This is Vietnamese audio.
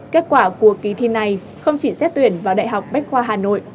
kết quả của kỳ thi này không chỉ xét tuyển vào đại học bách khoa hà nội